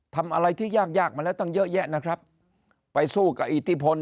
ทำอะไรที่ยากยากมาแล้วตั้งเยอะแยะนะครับไปสู้กับอิทธิพล